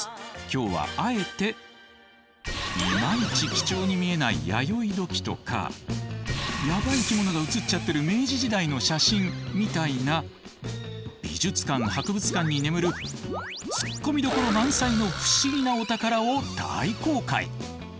今日はあえていまいち貴重に見えない弥生土器とかヤバい生き物が写っちゃってる明治時代の写真みたいな美術館・博物館に眠るツッコミどころ満載の不思議なお宝を大公開！